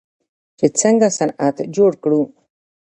چې څنګه صنعت جوړ کړو.